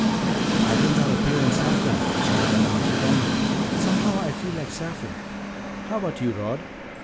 "I think I'll appear in saffron," Val announced firmly. "Somehow I feel like saffron. How about you, Rod?"